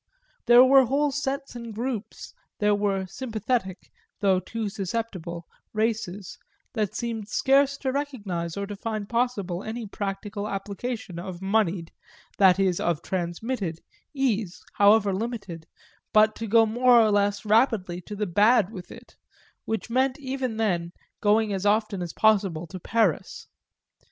There were whole sets and groups, there were "sympathetic," though too susceptible, races, that seemed scarce to recognise or to find possible any practical application of moneyed, that is of transmitted, ease, however limited, but to go more or less rapidly to the bad with it which meant even then going as often as possible to Paris.